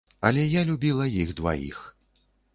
Але я любіла іх дваіх.